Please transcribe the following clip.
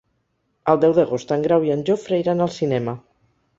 El deu d'agost en Grau i en Jofre iran al cinema.